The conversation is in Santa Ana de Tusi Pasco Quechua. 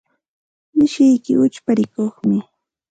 Mishiyki uchpa rikuqmi.